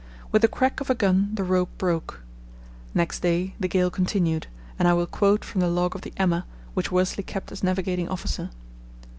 With the crack of a gun the rope broke. Next day the gale continued, and I will quote from the log of the Emma, which Worsley kept as navigating officer.